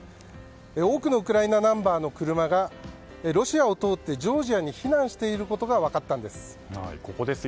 多くのウクライナナンバーの車がロシアを通ってジョージアに避難していることが分かったんです。